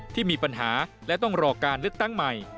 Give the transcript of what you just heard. ที่มีปัญหาและต้องรอการเลือกตั้งใหม่